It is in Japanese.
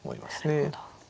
なるほど。